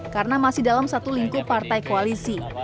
karena masih dalam satu lingkup partai koalisi